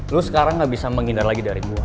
lu sekarang gak bisa menghindar lagi dari gua